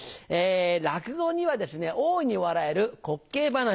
落語にはですね大いに笑える滑稽噺。